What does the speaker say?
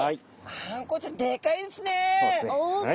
あんこうちゃんでかいですね。